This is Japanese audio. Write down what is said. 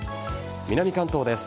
南関東です。